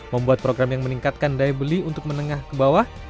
membuat program yang meningkatkan daya beli untuk menengah ke bawah